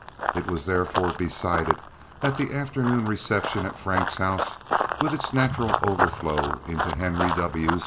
It was therefore decided that the afternoon reception at Frank's house, with its natural overflow into Henry W.